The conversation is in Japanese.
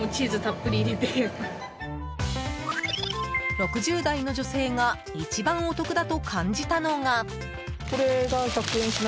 ６０代の女性が一番お得だと感じたのが。